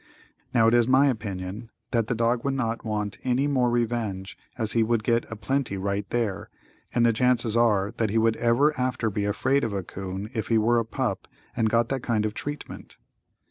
Now it is my opinion that the dog would not want any more revenge as he would get a plenty right there, and the chances are that he would ever after be afraid of a 'coon, if he were a pup and got that kind of treatment.